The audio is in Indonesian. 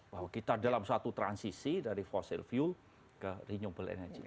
bahwa kita dalam satu transisi dari fossil fuel ke renewable energy